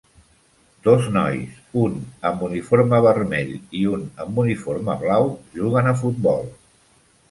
Dos nois, un amb uniforme vermell i un amb uniforme blau, juguen a futbol.